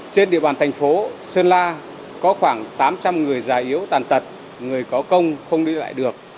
trên địa bàn thành phố sơn la có khoảng tám trăm linh người già yếu tàn tật người có công không đi lại được